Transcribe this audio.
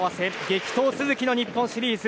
激闘続きの日本シリーズ。